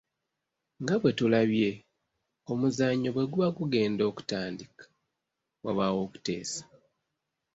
Nga bwe tulabye, omuzannyo bwe guba gugenda okutandika, wabaawo okuteesa.